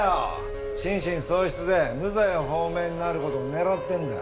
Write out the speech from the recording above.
心神喪失で無罪放免になる事を狙ってんだ。